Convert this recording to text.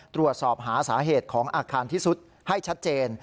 ตรวจสอบหาสาเหตุของอาคารที่สุดให้ชัดเจน